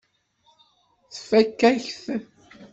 Tfakk-ak-t.